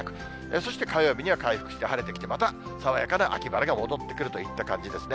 そして、火曜日には回復して晴れてきて、また爽やかな秋晴れが戻ってくるといった感じですね。